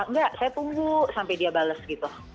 enggak saya tunggu sampai dia bales gitu